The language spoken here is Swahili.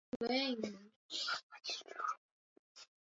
Mwinyi alitumia kauli mbiu yajayo ni neema tupu